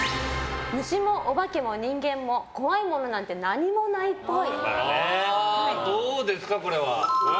虫もオバケも人間も怖いものなんて何もないっぽい。